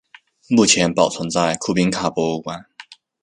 目前保存在库宾卡博物馆。